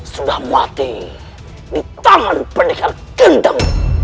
sudah mati di tangan pendekat gendam